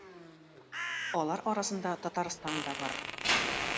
Алар арасында Татарстан да бар.